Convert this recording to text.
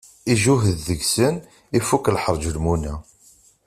Ijuhed deg-sen, ifuk lḥerǧ lmuna.